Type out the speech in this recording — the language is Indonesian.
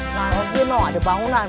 nah roti mau ada bangunan